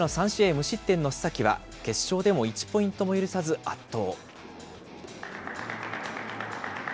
無失点の須崎は、決勝でも１ポイントも許さず、圧倒。